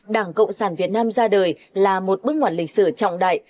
đảng cộng sản việt nam ra đời là một bước ngoặt lịch sử trọng đại